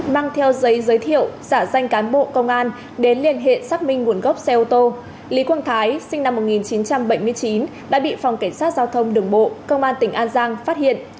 mang theo giấy giới thiệu giả danh cán bộ công an đến liên hệ xác minh nguồn gốc xe ô tô lý quang thái sinh năm một nghìn chín trăm bảy mươi chín đã bị phòng cảnh sát giao thông đường bộ công an tỉnh an giang phát hiện